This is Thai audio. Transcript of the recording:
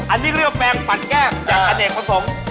อันนี้เรียกว่าแป้งผัดแก้งจากอันเองมะสม